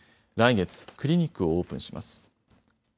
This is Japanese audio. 来月、クリニックをオープンします。